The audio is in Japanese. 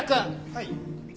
はい。